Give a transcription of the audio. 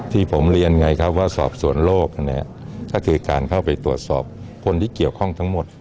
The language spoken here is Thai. ทีผมเรียนว่าสอบส่วนโลกการเข้าไปตรวจสอบคนที่เกี่ยวข้องทั้งหมด